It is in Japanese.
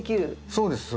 そうです。